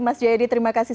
mas jayadi terima kasih